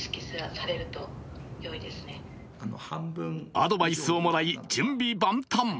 アドバイスをもらい、準備万端。